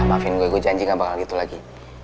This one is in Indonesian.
maafin gue janji gak bakal gitu lagi